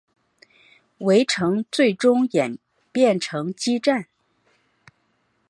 围城最终演变成激战。